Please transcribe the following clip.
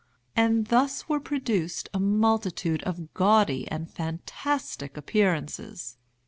And thus were produced a multitude of gaudy and fantastic appearances.